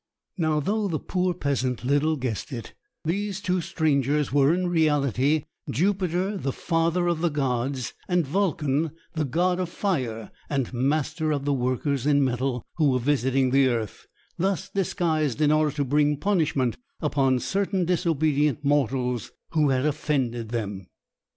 Now, though the poor peasant little guessed it, these two strangers were in reality Jupiter, the Father of the Gods, and Vulcan, the God of Fire and master of the workers in metal, who were visiting the earth thus disguised in order to bring punishment upon certain disobedient mortals who had offended them.